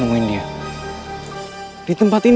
pokoknya sudah tambah ulang